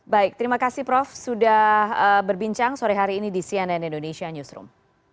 baik terima kasih prof sudah berbincang sore hari ini di cnn indonesia newsroom